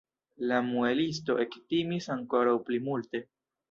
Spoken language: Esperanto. La muelisto ektimis ankoraŭ pli multe.